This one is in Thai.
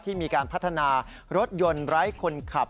มีการพัฒนารถยนต์ไร้คนขับ